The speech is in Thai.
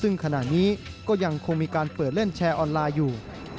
ซึ่งขณะนี้ก็ยังคงมีการเปิดเล่นแชร์ออนไลน์อยู่